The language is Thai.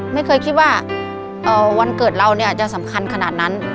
ไม่เคยคิดว่าวันเกิดเราเนี่ยอาจจะสำคัญขนาดนั้น